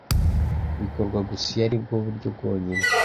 bikorwa gusa iyo ari bwo buryo bwonyine